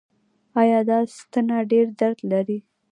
ایا دا ستنه ډیر درد لري؟